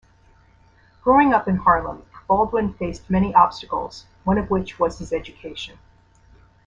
Growing up in Harlem, Baldwin faced many obstacles, one of which was his education.